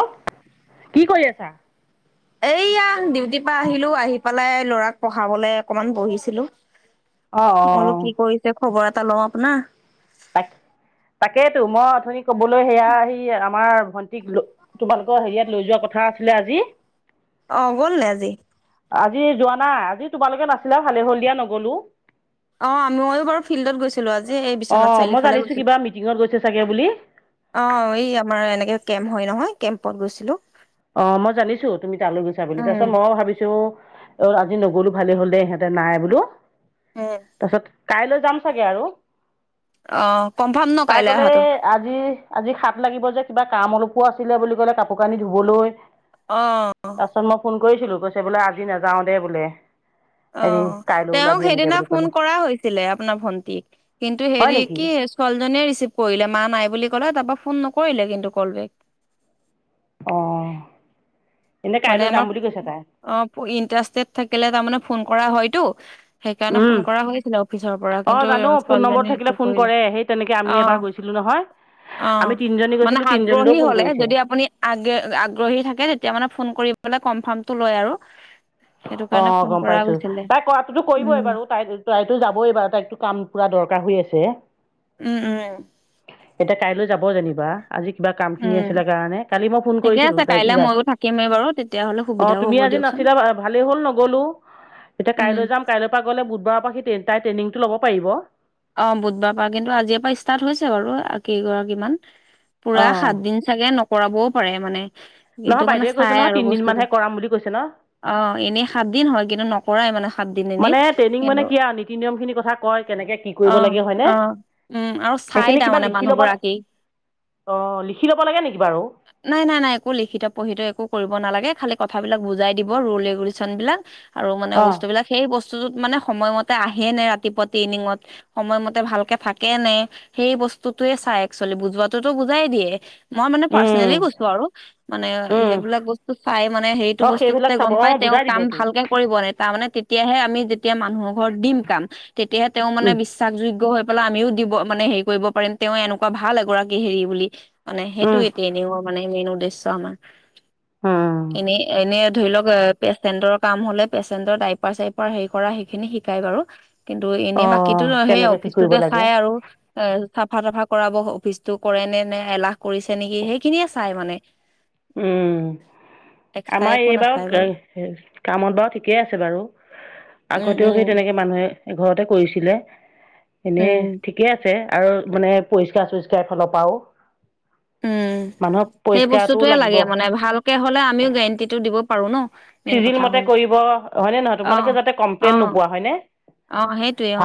অ', কি কৰি আছা? এইয়া ডিউটিৰ পৰা আহিলোঁ । আহি পেলাই ল'ৰাক পঢ়াবলৈ অকমান বহিছিলোঁ। অ', মইলো অ', কি কৰিছে, খবৰ এটা লওঁ আপোনাৰ? তাক- তাকেইতো। মই অথনি ক'বলৈ সেয়া সি আমাৰ ভণ্টিক ল- তোমালোকৰ হেৰিয়াত লৈ যোৱা কথা আছিলে আজি। অ' গ'ল নে আজি? আজি যোৱা নাই। আজি তোমালোকে নাছিলা। ভালে হ'ল দিয়া, নগলোঁ। অ' ময়ো বাৰু ফিল্ডত গৈছিলোঁ আ জি, এই বিশ্বনাথ অ', মই চাৰিআলিফালে জানিছো গৈছিলোঁ। কিবা মিটিঙত গৈছে চাগে বুলি অ' এই আমাৰ এনেকে কেম্প হয় নহয়, কেম্পত গৈছিলোঁ। অ' মই জানিছোঁ, তুমি তালৈ গৈছা বুলি। উম। তাৰপিছত মই ভাবিছোঁ অ' আজি নগলো ভালেই হ'ল দে । ইহঁতে নাই বোলো। উম তাৰ পিছত কাইলৈ যাম চাগে আৰু। অ কনফাৰ্ম ন তাই কাইলৈ ক'লে অহাটো আজি আজি সাত লাগিব যে, কিবা কাম অলপো আছিলে বুলি ক'লে, কাপোৰ কানি ধুবলৈ। অ'। গৈছিলোঁ। কৈছে বোলে আজি নাযাওঁ দে বোলে। হেৰি অ', কাইলৈ তেওঁক ওলাবি এনেকে সেইদিনা বুলি ক'লে ফোন কৰা হৈছিলে, আপোনাৰ ভন্টিক। কিন্তু হয় হেৰি নেকি কি ছোৱালীজনীয়ে ৰিচিভ কৰিলে। মা নাই বুলি কলে। তাৰপৰা ফোন নকৰিলে কিন্তু কলবেক। অ'। মানে আমাৰ অ' ইণ্টাৰেষ্টেড থাকিলে তাৰমানে, ফোন কৰা হয়তো সেইকাৰণে ফোন কৰা হৈছিলে অফিচৰ পৰা । অঁ কিন্তু জানো ইয়- ফোন নম্বৰটো ছোৱালীজনী থাকিলে ৰিচিভ ফোন কৰিলে কৰে সেই তেনেকে আমি । এবাৰ অ' । গৈছিলোঁ নহয়? আমি অ' তিনিজনী মানে গৈছিলোঁ তিনিজনীলৈও আগ্ৰহী ফোন হ'লে, কৰিছে যদি আপুনি আগ- আগ্ৰহী থাকে, তেতিয়া মানে ফোন কৰিবলৈ কনফাৰ্মটো লয় আৰু । সেইটো কাৰণে অ' ফোন গম কৰা পাইছোঁ গৈছিলে । তাই কৰাটোতো কৰিবই উম, বাৰু। তাই- তাইতো যাবই বাৰু। তাইতো কাম পুৰা দৰকাৰ হৈ আছ ছে। উম - উম। এতিয়া কাইলৈ যাব যেনিবা। আজি কিবা কামখিনি উম। আছিলে কাৰণে। কালি মই ফোন ঠিকে কৰিছিলোঁ আছে তাইক কাইলে যে ময়ো থাকিমেই বাৰু তেতিয়াহ'লে । অ' সুবিধাও তুমি হ'ব আ জি দিয়কচোন নাছিলা, ভালেই হ'ল নগ'লো। এতিয়া উম। কাইলৈ যাম । কাইলৈৰ পৰা গ'লে, বুধবাৰৰ পৰা সি তে তাই ট্ৰেইনিংটো ল'ব পাৰিব। অ' বুধবাৰৰ পৰা। কিন্তু আজিৰ পৰা ইষ্টাৰ্ট হৈছে বাৰু, কেইগৰাকীমান। পুৰা অ সাতদিন চাগে নকৰাবও পাৰে মানে। নহয় কিন্তু মানে বাইদেৱে কৈছে চাই নহয় আৰু বস্তুটো। তিনিদিনমানহে কৰাম বুলি কৈছে ন অ' এনেই সাতদিন হয় কিন্তু নকৰায় মানে সা মানে ট্ৰেইনিং মানে কি আৰু, নীতি-নিয়মখিনি কথা কয়, কেনেকে কি কৰিব অ' লাগে হয়নে - অ' । উম, আৰু চাই সেইখিনি কিবা তাৰমানে লিখি ল'ব মানুহগৰাকী। অ লিখি ল'ব লাগে নেকি বাৰু নাই - নাই - নাই, একো লিখিত-পঢ়িত একো কৰি ব নালাগে । খালি কথাবিলাক বুজাই দিব, ৰুল-ৰেগুলেশনবিলাক আৰু মানে অ বস্তুবিলাক। সেই বস্ তুটোত মানে সময়মতে আহে নে ৰাতিপুৱা ট্ৰেইনিঙত সময়মতে ভালকে থাকে নে, সেই বস্তুটোৱে চাই একচোৱেলি । বুজোৱাটোতো বুজাই দিয়ে। মই মানে উম পাৰ্চনেলি কৈছোঁ আৰু। মানে উম সেইবিলাক বস্তু চায় মানে, সেইটো অ সেইবিলাক বস্তুটোতে চাব গম অ পায় তে ওঁ বুজাই কাম দিবতো ভালকে কৰিব নে। তাৰ মানে তে তিয়াহে আমি যেতিয়া মানুহৰ ঘৰত দিম কাম। তেতিয়াহে তেওঁ মানে উম বিচ যোগ্য হৈ পেলাই, আমিও দিব মানে হেৰি কৰিব পাৰিম । তেওঁ এনেকুৱা ভাল এগৰাকী হেৰি বুলি মানে সেইটো উম এতিয়া এনেৰ মানে মেইন উদ্দেশ্য আমাৰ উম ।এনে এনে ধৰি লওক পেচেণ্টৰ কাম হলে পেচেন্টৰ ডাইপাৰ -চাইপাৰ হেৰি কৰা সেইখিনি শিকাই বাৰু। কিন্তু অ এনেই বাকীতো সেই কেনেকে কি কৰিব অফিচটোতে লাগে চাই আৰু এ চাফা -তাফা কৰাব অফিচটো কৰে নে নে এলাহ কৰিছে নেকি সেইখিনিয়ে চাই মানে। উম! এক্সট্ৰা আমাৰ একো এইবাৰু নাচাই কা বাৰু কা কামত বাৰু ঠিকেই আছে বাৰু। উম আগতেও সেই উম তেনেকে মানুহে ঘৰতে কৰিছিলে, এনেই উম ঠিকে আছে। আৰু মানে পৰিষ্কাৰ চৰিষ্কাৰ ফালৰ পৰাও, মানুহক পৰিষ্কাৰ- তোয়ে লাগে মানে ভালকে হ'লে আমিও গেৰেণ্টি টো দিব পাৰো ন। মেইন চিজিল কথা মতে হ'ল কৰিব হয়নে নহয়, তোমালোকে যাতে কমপ্লেইন নোপোৱা হয় নে। আহ সেইটোৱে অ।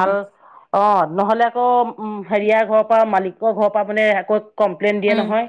অ, নহলে আকৌ উম হেৰিয়াৰ ঘৰৰ পৰা মালিকৰ ঘৰৰ পৰা মানে আকৌ কমপ্লেইন দিয়ে উম! নহয়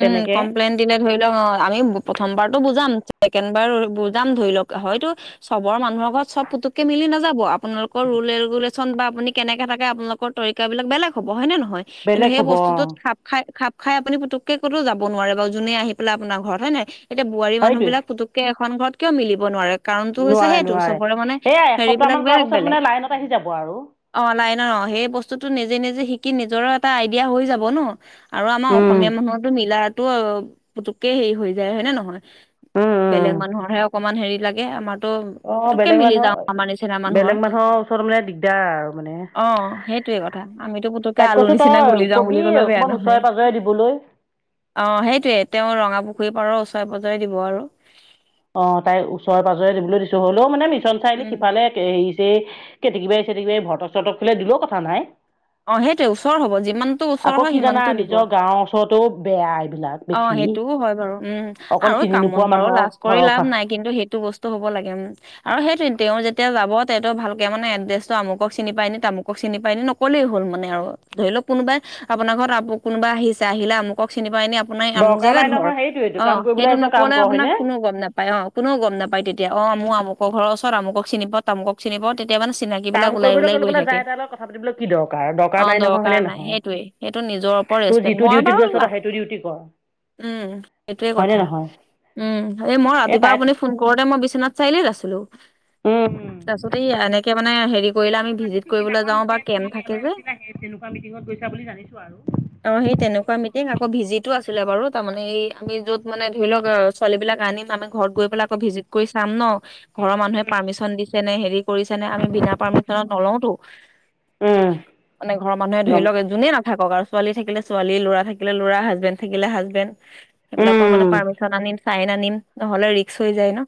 উম! তেনেকে কমপ্লেইন দিলে ধৰি লওক অ আমি প্ৰথমবাৰতো বুজাম। চেকেণ্ডবাৰ বোজাম ধৰি লওক হয়তো চবৰ মানুহৰ ঘৰত চব পুতুককে মিল নাযাব আপোনালোকৰ ৰুলে ৰেুলেশ্যন বা আপুনি কেনেকে থাকে আপোনালোকৰ তৰিকাবিলাক বেলেগ হ'ব হয়নে নহয়? হয় কিন্তু বেলেগ সেই হ'ব অঁ বস্তুটোত খাপ খাই খাপ খাই আপুনি পুটোককে কতো যাব নোৱাৰে বাৰু যোনে আহি পেলাই আপোনাৰ ঘৰত হয় নে নাই? এতিয়া বোৱাৰী মানুহ সেইটোৱে বিলাক পুতুককে এখন ঘৰত কিয় মিলিব নোৱাৰে কাৰটো হৈছে নোৱাৰে সেইটো নোৱাৰে চবৰে মানে এয়া হেৰি বিলাক এসপ্তাহমান কৰাৰ বেলেগ পাছত বেলেগ মানে লাইনত আহি যাব আৰু অ, লা ন সেই বস্তুতটো নিজে নিজে শিকি নিজৰো এটা আইডিয়া হৈ যাব ন। আৰু আমাৰ উম অসমীয়া মানুহতো মিলাতো পুতুককে হেৰি হৈ যায় হয় নে নহয়? উম বেলেগ উম। মানুহৰ হে অকমান হেৰি লাগে, আমাৰ ত অ', পটুককে বেলেগ মিলি মানুহৰ যাওঁ আমাৰ নিচিনা মানুহৰ বেলেগ ওচৰত মানে দিগদাৰ আৰু মানে। ।অ সেই সেইয়ে কথা আমিতো পুতুকে তাইক আলু কৈছো নিচিনা তই গলি যাও বুলি কবি কলেও বেয়া অকমান নহয়। ওচৰে পাজৰে দিবলৈ। অ- সেইটোয়ে তেওঁ ৰঙা পুখুৰী পাৰৰ ওচৰা -পজাই দিব আৰু। অ তাইৰ ওচৰে -পাজৰে দিবলৈ দিছোঁ হ'লেও মানে মিছন চাইনি উম সিফালে তে, কেতেকিবাই চেতেকিবাই ভটক চটক খুলে দিলেও কথা নাই। অ সেইটোৱে ওচৰ হ'ব, যিমানটো ওচৰ আকৌ হয় কি জানা সিমানটো দিব। নিজৰ গাঁৱৰ ওচৰতো বেয়া এইবিলাক অ' বেছি সেইটোও হয় বাৰু উম অকন আৰু চিনি কামত নোপোৱা বাৰু মানুহৰ লাষ্ট কৰি ঘৰৰ লাভ পৰা নাই কিন্তু সেইটো বস্তু হ'ব লাগে আৰু সেইটো তেওঁ যেতিয়া যাব। তেটো ভালকে মানে এড্ৰেছটো আমুক চিনি পাই নে তামুক চিনি পাই নি নকলেই হ'ল মানে আৰু ধৰি লওক কোনোবাই। আপোনাৰ ঘৰত কোনোবা আহিছে আহিলে আমুক চিনি পাই এনি আপোনাৰ এই আমুক দৰকাৰ জেগাত নাই ঘৰ নহয় সেইটোৱেইটো অ কাম কৰিবলৈ সেইটো আহিছ কাম নকলে কৰ আপোনাক হয়নে? কোনেও গ'ম নাপায় অ' কোনেও গম নাপায় তেতিয়া অ আমু আমুক লোকৰ ঘৰ ওচৰত আমুক চিনিব তামুক চিনি পাও । এতিয়া মানে চিনাকি কাম বিলাক ওলাই কৰিবলৈ ওলাই গ'লে গৈ বোলে থাকে। যাই তাই লগত কথা পাতিবলৈ কি দৰকাৰ অ' নাই নহয় দৰকাৰ হয়নে নাই নহয়? সেইটোোৱে সেইটো নাই নিজৰ ওপৰত তোৰ ৰেচপেক যিটো মই ডিউটিত বাৰু গৈছ তই লাম সেইটো ডিউটি কৰ। উম সেইটোৱে হয় নে কথা। নহয় উম, এই মই ৰাতিপুৱা আপুনি ফোন কৰোতে মই বিশ্বনাথ চাৰিআলি আছিলো। উম, উম। তাৰপিছতে এই এনেকে মানে হেৰি কৰিলে আমি মই ভিজিট জানিছো কৰিবলৈ সিদিনাখন যাওঁ বা যে তুমি কেম্প থাকে ইয়ালৈ যে আহিছিলা সেই তেনেকুৱা মিটিঙত গৈছা। বুলি জানিছো আৰু। অ সেই তেনেকুৱা মিটং আকৌ ভিজিটো আছিলে। বাৰু তাৰমানে এই আমি য'ত মানে ধৰি লওক ছোৱালী বিলাক আনিম। আমি ঘৰত গৈ পেলাই আকৌ ভিজিট কৰি চাম ন ঘৰৰ মানুহে পাৰ্মিশন দিছে নে হেৰি কৰিছে নে আমি বিনা পাৰ্মিছন । িচনাত [unintelligible] নলওঁতো। উম। মানে ঘৰৰ মানুহে ধৰি গম লওক যোনেই নাথাক আৰু। ছোৱালী থাকিলে ছোৱালী ল'ৰা থাকিলে ল'ৰা হাজবেণ্ড থাকিলে হাজবেণ্ড সেইবিলাক মানে উম পাৰ্মিশন আনি। চাইন আনিম নহলে ৰিক্স হৈ যায় ন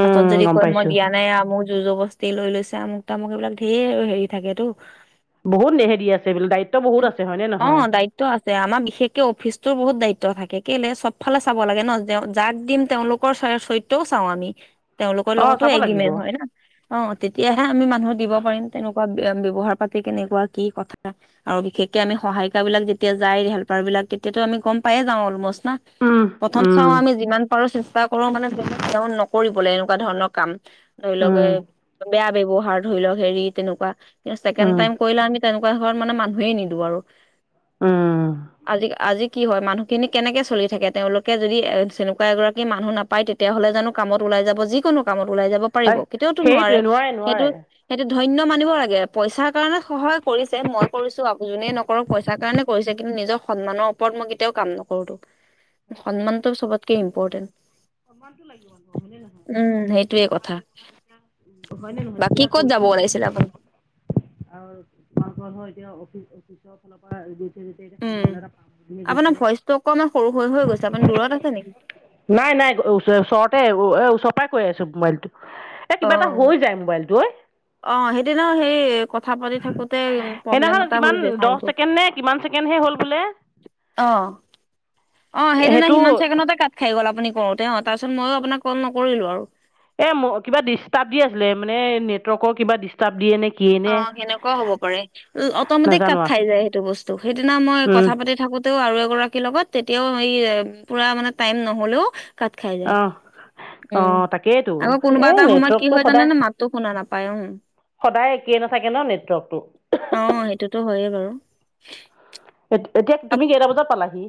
পাছত যদি গম কৈ মই পাইছোঁ দিয়া নাই ম। যুঁজৰ বস্তি লৈ লৈছে আমুক তামুক এইবিলাক ঢেৰ হেৰি থাকেতো বহুত হেৰি আছে বোলে দায়িত্ব বহুত আছে হয়নে নহয় অ'দায়িত্ব আছে। আমাৰ বিশেষকে অফিচ বহুত দায়িত্ব থাকে কেলে চবফালে চাব লাগে নহ তেওঁ যাক দিম তেওঁলোকৰ চৰিত্ৰও চাওঁ আমি তেওঁলোকৰ অ লগতো চাব লাগিব এগ্ৰীমেণ্ট হয় নহ অ, তেতিয়াহে আমি মানুহক দিব পাৰিম তেনেকুৱা ৱ্যৱহাৰ পাতি কেনেকুৱা কি কথা, আৰু বিশেষকে আমি সহায়িকা বিলাক যেতিয়া যায়, হেল্পাৰ বিলাক এতিয়াতো আমি গম পায়ে যাওঁ অলমষ্ট না উম প্ৰথম চাও উম আমি যিমান পাৰো। কৰো মানে নকৰিবলৈ এনেকুৱা ধৰণৰ কাম ধৰি লওক উম বেয়া ব্যৱহাৰ ধৰি লওক হেৰি তেনেকুৱা কি ছেকেণ্ড উম টাইম কৰিলেও আমি তেনেকুৱা ধৰণ মানে মানুহেই নিদো আৰু উম আজি আজি কি হয় মানুহখিনি কেনেকে চলি থাকে তেওঁলোকে যদি এ তেনেকুৱা এগৰাকী মানুহ নাপায় তেতিয়া হ'লে জানো কাম যাব যিকোনো কাম ওলাই যাব পাৰিব‌ হয় কেতিয়াওটো নোৱাৰে সেইটোৱে সেইটো নোৱাৰে ধন্য মানিব লাগে পইচাৰ কাৰণে সহায় কৰিছে মই কৰিছো যোনে নকৰক পইচাৰ কাৰণে কৰিছে কিন্তু নিজৰ সন্মান ওপৰত মই কেতিয়াও কাম নকৰো সন্মানটো চবতকে ইম্পৰ্টেন্ট সন্মানতটো লাগিব মানুহ হয় নে নহয় সেইটোয়ে ।ভাল কথা। ব্যৱহাৰ তেতিয়া হয় নে নহয় বাকী তেতিয়া কৰিব। [unintelligible] আৰু তোমাৰ লোকৰত হয় এতিয়া অফিচ অফিচ ফালৰ পৰা গৈছে যে উম, এতিয়া এটা আপোনাৰ গৈছে। ভইচটো অকমান সৰু হৈ হৈ গৈছে। আপুনি দূৰত আছে নেকি? নাই-নাই চৰ ওচৰতে এ ওচৰ পৰাই কৈ আছো মোবাইলটো। এ অ কিবা এটা হৈ যায় মোবাইলটো ঐ অ সেই দিনা সেই কথা কথা পাতি থাকোতে প্ৰব্লেম সেইদিনাখন এটা কিমান হৈ যায় দহ চাউণ্ডটো ছেকেণ্ড নে কিমান ছেকেণ্ডহে হ'ল বোলে আহ। অ সেইদিনা সেইটো সিমান ছেকেণ্ডততছ কাত খাই গ'ল আপুনি কৰোতে তাৰপিছত মই আপোনাক কল নকৰিলো আৰু এ ম কিবা ডিষ্টাৰ্ব দি আছিলে মানে নেটৱৰ্কৰ কিবা ডিষ্টাৰ্ব দিয়ে নেকি অ' সেনেকুৱাও হ'ব পাৰে। অটমেটিক নাজানো কাপ খাই আৰু যায় সেইটো বস্তু। সেইদিনা মই উম কথা পাতি থাকোতে ও আৰু এগৰাকীৰ লগত তেতিয়াও এই পুৰা মানে টাইম নহ'লেও কাট খাই যায়। অঁ উম অঁ তাকেইতো আকৌ কোনোবা এই এটা সময়ত কি নেটৱৰ্কটো হয় জানে সদায় নে মাতো শুনা নাপায় উম। সদায় একেই নাথাকে ন নেটৱৰ্কটো হয় বাৰু এ এতিয়া তুমি আপ- কেইটা বজাত পালাহি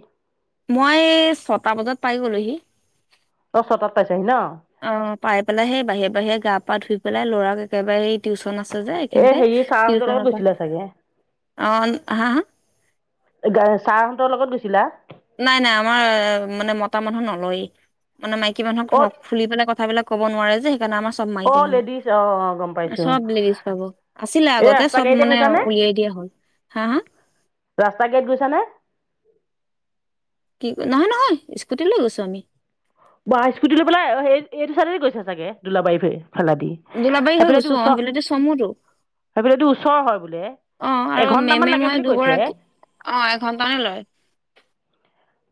মই ছটা বজাত পাই গ'লো হি অঁ ছটাত পাইছাহি ন অ পাই পেলাই সেই বাহিৰে বাহিৰে গা পা ধুই পেলাই ল'ৰাক একেবাৰে এই টিউচন আছে। এই এইখিনতে হেৰি ছাৰহঁতৰ লগত টিউচনৰ পৰা গৈছিলা চাগে অ হা হা ছাৰ হঁতৰ লগত গৈছ। নাই-নাই আমাৰ মানে মতা মানুহ নলয় ।মানে মাইকী অঁ মানুহক ফুলি পেলাই কথাবিলাক ক'ব নোৱাৰে যে সেই কাৰণে আমাৰ চব মাইকী অ' লেডিজ অ' অ' গম মানুহ পাইছো ।চব লেডিজ পাব আছিলে এই আগতে ৰাস্তা চব গাড়ীতে মানে গৈছা উ নে ওলাই দিয়া হ'ল হা হা ৰাস্তা গেট গৈছ নে কি নহয় নহয় স্কুটি লৈ গৈছোঁ আমি বা ই স্কুটি লৈ পেলাই এইটো চাইডে গৈছে চাগে দোলাবাৰী ফালে। ফেলা দি দোলাবাৰী হৈ সেইফালাইটো গৈছো অ ওচৰ সেইফালেদি চমুতো সেইফালটো ওচৰ হয় বোলে অ আৰু এঘন্টামান মেমে লাগে মই বুলি কৈছে দুগৰাকী অ এঘন্টালে লয়।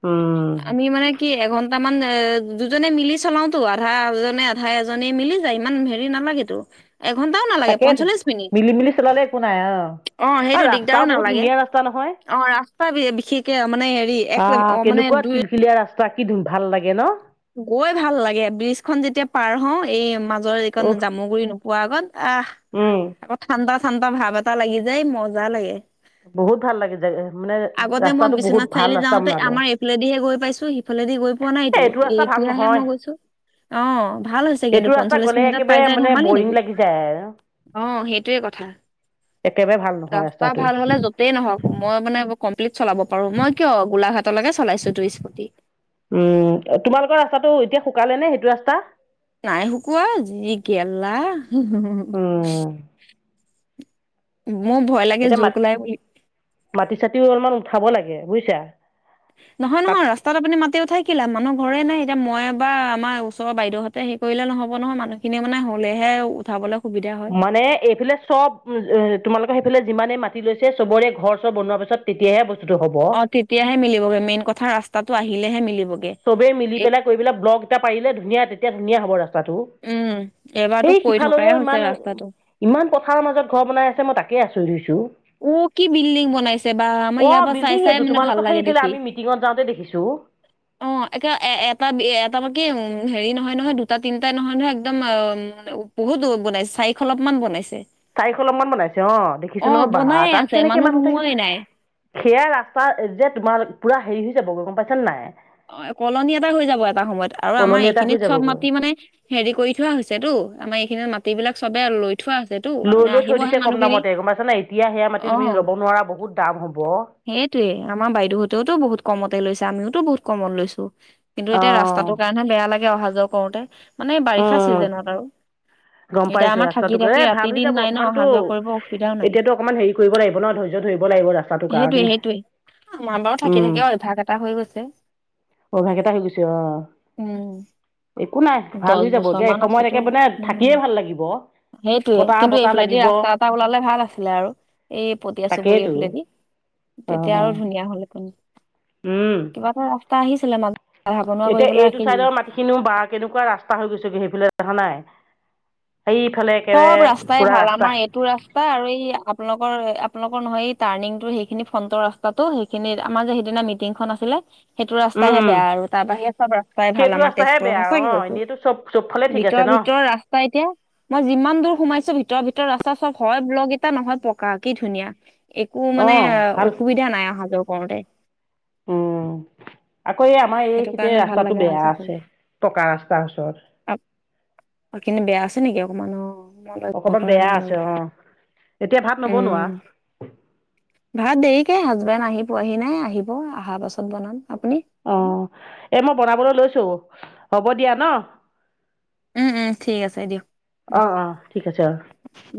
উম আমি মানে কি এঘন্টা তাৰমান এ দুজনে মিলি চলাওতো আধা এজনে আধা এজনি মিলি যায় ইমান হেৰি নালাগেতো। এঘণ্টাও নালাগে তাকেইতো পঞ্চল্লিশ মিনিট। মিলি মিলি চলালে একো নাই অ' অ'সেইটো আৰু ৰাস্তাও দিগদাৰো বহুত নালাগে। ধুনীয়া ৰাস্তা নহয় অ'ৰাস্তা বিশেষকে মানে হেৰি এক অ মানে হিল-লীয়া ৰাস্তা কি ভাল লাগে ন? গৈ ভাল লাগে ব্ৰিজখন যেতিয়া পাৰ হওঁ এই মাজৰ এইখন উহ জামুগুৰি নোপোৱা আগত আহ, উম আকৌ ঠাণ্ডা ঠাণ্ডা ভাৱ এটা লাগি যায় মজা লাগে। বহুত ভাল লাগে জে মানে আগতে মই ৰাস্তাটো বহুত বিশ্বনাথ ভাল চাৰিআলি ৰাস্তা যাওঁতে বনালে আমাৰ ইফালেদিহে গৈ পাইছো, সিফালে দি গৈ পোৱা নাইতো, এইটো এ ৰাস্তা ভাল এতিয়াহে নহয় মই গৈছো। অ' ভাল হৈছে কিন্তু এইটো ৰাস্তা পঞ্চল্লিশ গ'লে মিনিটত পাই একেবাৰে যাই মানে ধেমালি বৰিং নেকি। লাগি যায় আৰু অ' সেইটোৱে কথা। একেবাৰে ভাল নহয় ৰাস্তাটো। লে য'তেই নহওক মই মানে চলাব পাৰো মই কিয় গোলাঘাটলৈকে চলাইছো তো স্কুটি। উম তোমালোকৰ ৰাস্তাটো এতিয়া শুকালে নে সেইটো ৰাস্তা নাই শুকোৱা যি গেলা উম মোৰ ভয় লাগে এতিয়া জোক মাটি ওলাই বুলি? মাটি চাটিও অলমান উঠাব লাগে বুজিছা নহয়, তাত নহয় ৰাস্তাত আপুনি মাতি উঠাই শিকিলা মানুহ ঘৰেই নাই এয়া মই বা আমাৰ ওচৰ বাইদেউহঁতে হে কৰিলে নহব নহয় মানুহখিনিয়ে মানে হলে হে উঠাবলৈ সুবিধা হয় মানে এইফালে চব তোমালোকৰ ফালে যিমানে মাতি লৈছে চবৰে ঘৰ চৰ বনোৱাৰ পিছত তেতিয়াহে বস্তুটো হ'ব অ তেতিয়াহে মিলিবগৈ মেইন কথা ৰাস্তাটো আহিলেহে মিলিব চবেই মিলি পেলাই কৰি পেলাই ব্লক এটা পাৰিলে ধুনীয়া তেতিয়া ধুনীয়া হ'ব ৰাস্তাটো উম এবাৰতো সেই কৈ থকাই সিফাললৈও হৈছে ইমান ৰাস্তাটো ইমান পথাৰৰ মাজত ঘৰ বনাই আছে মই তাকে আচৰিত হৈছো ও কি বিল্ডিং বনাইছে বা আমাৰ ইয়াৰ অ' পৰা চাই বিল্ডিং চাই এইটো মানে ভাল তোমালোকৰ লাগে সেইফালে দেখি আমি মিটিঙত যাওঁতে দেখিছোঁ অ এতিয়া এ এটা এটা বাকি উম হেৰি নহয় নহয় দুটা তিনিটা নহয় নহয় একদম অ বহুত? কত বনাইছে চাৰিশ অলপমান বনাইছে চাৰিশ ল মমান বনাইছে অ অ দেখিছো নহয় ব বনায়ে তাত আছে কেনেকে মানুহ থাকিব? সোমোৱাই নাই সেয়াই ৰাস্তা যে তোমাৰ পুৰা হেৰি হৈ যাব গৈ গম পাইছ নে নাই অ কলনি এটা হৈ যাব এটা সময়ত আৰু আমাৰ কলনি এটা হৈ এইখিনিত চব যাবগৈ মাটি মানে হেৰি কৰি থোৱা হৈছেতো আমাৰ এই মানে লৈ-লৈ থৈ আহিবহে দিছে কম মানুহখিনি দামতে গম পাইছ না এতিয়া সেয়া মাটি তুমি ল'ব নোৱাৰা বহুত দাম হ'ব অ' সেইটোৱে আমাৰ বাইদেউঁতেওতো বহুত কমতে লৈছে আমিওতো বহুত কমত লৈছো। কিন্তু এতিয়া ৰাস্তাটোৰ কাৰণেহে বেয়া লাগে অহা যোৱা কৰোতে মানে বাৰিষা উম চিজনেত আৰু গম এতিয়া পাইছো আমাৰ থাকি ৰাস্তাতোকে থাকি এ ৰাতি ভাল হৈ দিন যাব নাই ন অহা অকনমানতো যোৱা কৰিব অসুবিধাও নাই এতিয়াতো অকনমান হেৰি কৰিব লাগিব ন ধৰি, ধৰিব লাগিব ৰাস্তাটো সেইটোৱে সেইটোৱে আমাৰ বাৰু থাকি থাকি অ অভ্যাস এটা হৈ গৈছে। অভ্যাস এটা হৈ গৈছে অ উম একো নাই ভাল দহ হৈ যাব বছৰ এ মান সময়ত থাকে মানে থাকিয়ে ভাল লাগিব সেইটোয়ে বতাহ কিন্তু বতাহ এইফালেদি লাগিব ৰাস্তা এটা ওলালে ভাল আছিলে আৰু এই পতিয়া চুবুৰ তাকেইতো ফালেদি অ তেতিয়া আৰু ধুনীয়া হল হেতেন উম। তাই আহিছিলে মানে? এতিয়া এইটো চাইডৰ মাটিখিনিও বা কেনেকুৱা ৰাস্তা হৈ গৈছেগৈ সেইফালে দেখা নাই। সেই ইফালে একেবাৰে চব ৰাস্তাই পুৰা ভাল ৰাস্তা আমাৰ এইটো ৰাস্তা আৰু এই আপোনালোকৰ আপোনালোকৰ নহয় এই টাৰ্ণিংৰ সেইখিনি ফ্ৰন্টৰ ৰাস্তাতটো সেইখিনি আমাৰ যে সিদিনা মিটিংখন আছিলে- সেইটো ৰাস্তাই উম হে উম বেয়া আৰু তাৰ বাহিৰে চব ৰাস্তাই ভাল সেইটো আমাৰ ৰাস্তাহে তেজপুৰৰ বেয়া অ সঁচাকে কৈছো এনেইতো চব চবফালে ঠিক আছে ভিতৰত ন ভিতৰ ৰাস্তা এতিয়া মই যিমান দূৰ সোমাইছো ভিতৰ ভিতৰত ৰাস্তা চব হয় ব্লগ ইটা নহয় পকা কি ধুনীয়া একো অ মানে ভাল অসুবিধা নাই অহা যোৱ কৰোতে উম। আকৌ এই আমাৰ এই সেইটো খেতে কাৰণে ভাল ৰাস্তাটো লাগে অহা বেয়া যোৱা কৰি আছে পকা ৰাস্তাৰ ওচৰত কিন্তু বেয়া আছে নেকি অকমান অ মই লক্ষ্য অকমান কৰা বেয়া নাই আছে বাৰু অ এতিয়া ভাত উম নবনোৱা ভাত দেৰিকে হাজবেণ্ড আহি পোৱাহি নাই আহিব অহাৰ পাছত বনাম- আপুনি অ এই মই বনাবলৈ লৈছো হ'ব দিয়া ন। উম উম ঠিক আছে দিয়ক উম আহ আহ ঠিক আছে। উম